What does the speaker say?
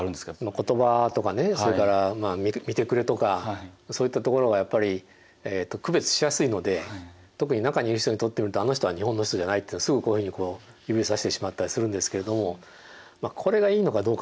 言葉とかねそれから見てくれとかそういったところがやっぱり区別しやすいので特に中にいる人にとってみるとあの人は日本の人じゃないってすぐこういうふうに指さしてしまったりするんですけれどもこれがいいのかどうかですね。